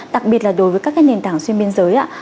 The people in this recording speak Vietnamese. đặc biệt là đối với các cái nền tảng xuyên biên giới